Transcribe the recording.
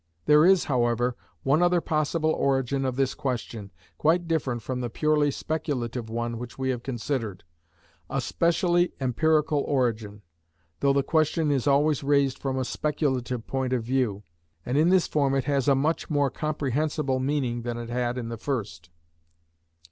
There is, however, one other possible origin of this question, quite different from the purely speculative one which we have considered, a specially empirical origin, though the question is always raised from a speculative point of view, and in this form it has a much more comprehensible meaning than it had in the first.